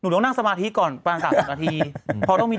ต้องนั่งสมาธิก่อนประมาณ๓๐นาที